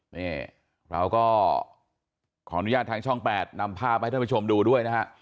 นี่เราก็ขออนุญาตทางช่อง๘นำภาพให้ท่านผู้ชมดูด้วยนะฮะ